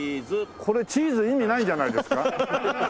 これチーズ意味ないんじゃないですか？